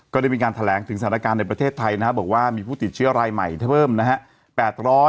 ก็ได้มีการแถลงถึงสถานการณ์ในประเทศไทยนะครับบอกว่ามีผู้ติดเชื้อรายใหม่เพิ่มนะฮะ